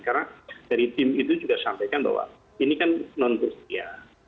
karena dari tim itu juga sampaikan bahwa ini kan non punyia